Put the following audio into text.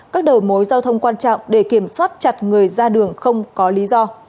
các đầu mối giao thông quan trọng để kiểm soát chặt người ra đường không có lý do